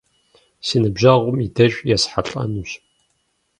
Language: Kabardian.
Си ныбжьэгъум и деж есхьэлӀэнущ.